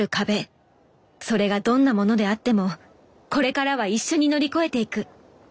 それがどんなものであってもこれからは一緒に乗り越えていく。